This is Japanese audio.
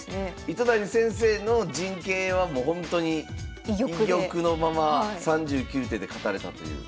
糸谷先生の陣形はもうほんとに居玉のまま３９手で勝たれたという。